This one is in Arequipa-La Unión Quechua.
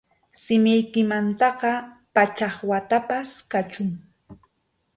Simiykimantaqa pachak watapas kachun.